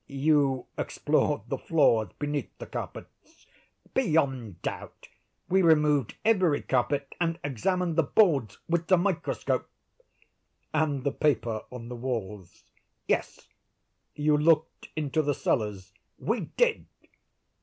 "You explored the floors beneath the carpets?" "Beyond doubt. We removed every carpet, and examined the boards with the microscope." "And the paper on the walls?" "Yes." "You looked into the cellars?" "We did."